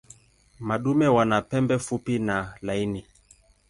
Madume wana pembe fupi na laini.